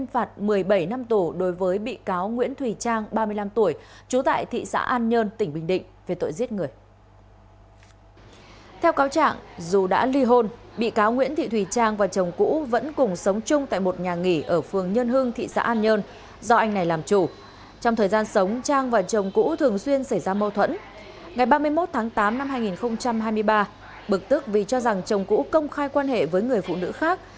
ngày ba mươi một tháng tám năm hai nghìn hai mươi ba bực tức vì cho rằng chồng cũ công khai quan hệ với người phụ nữ khác